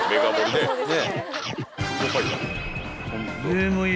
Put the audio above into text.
でもよ